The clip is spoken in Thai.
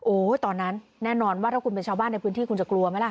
โอ้โหตอนนั้นแน่นอนว่าถ้าคุณเป็นชาวบ้านในพื้นที่คุณจะกลัวไหมล่ะ